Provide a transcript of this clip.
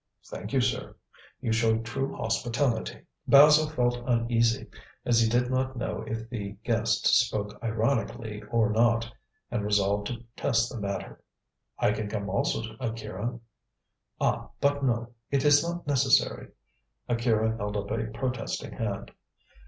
"Thank you, sir. You show true hospitality." Basil felt uneasy as he did not know if the guest spoke ironically or not, and resolved to test the matter. "I can come also, Akira." "Ah, but no, it is not necessary." Akira held up a protesting hand.